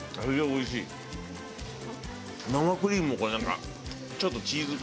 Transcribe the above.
生クリームもこれなんかちょっとチーズっぽい。